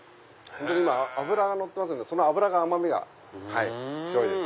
今脂がのってますんでその脂の甘みが強いです。